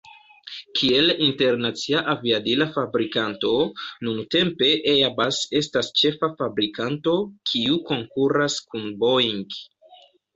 Kiel internacia aviadila fabrikanto, nuntempe Airbus estas ĉefa fabrikanto, kiu konkuras kun Boeing.